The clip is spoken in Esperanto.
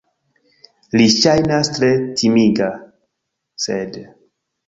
Li ŝajnas tre timiga... sed!